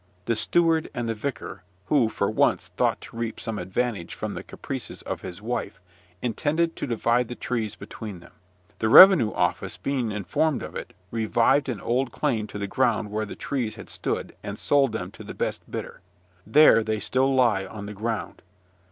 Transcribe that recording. The steward and the vicar (who, for once, thought to reap some advantage from the caprices of his wife) intended to divide the trees between them. The revenue office, being informed of it, revived an old claim to the ground where the trees had stood, and sold them to the best bidder. There they still lie on the ground.